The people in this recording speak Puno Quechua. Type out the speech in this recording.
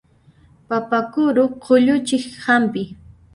Papa kuru qulluchiq hampi.